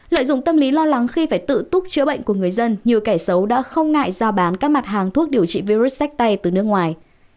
lợi dụng tâm lý lo lắng khi phải tự túc chữa bệnh của người dân nhiều kẻ xấu đã không ngại ra bán các mặt hàng thuốc điều trị virus sách tay từ nước ngoài